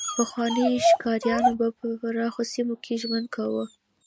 پخواني ښکاریان به په پراخو سیمو کې ژوند کاوه.